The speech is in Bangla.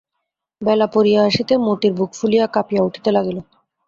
বেলা পড়িয়া আসিতে মতির বুক ফুলিয়া কাঁপিয়া উঠিতে লাগিল।